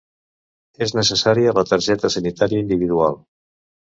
És necessària la targeta sanitària individual.